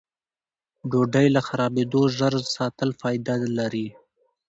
ډوډۍ له خرابېدو ژر ساتل فایده لري.